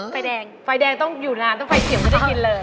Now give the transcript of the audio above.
ไฟแดงไฟแดงต้องอยู่นานต้องไฟเขียวไม่ได้ยินเลย